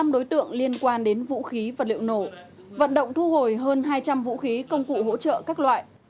năm đối tượng liên quan đến vũ khí vật liệu nổ vận động thu hồi hơn hai trăm linh vũ khí công cụ hỗ trợ các loại